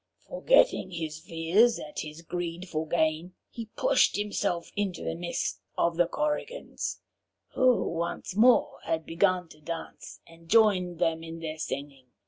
Forgetting his fears in his greed for gain, he pushed himself into the midst of the Korrigans, who had once more begun to dance, and joined them in their singing.